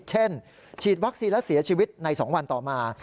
ฉีดวัคซีนและเสียชีวิตใน๒วันต่อมา